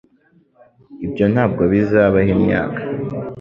Ibyo ntabwo bizabaho imyaka.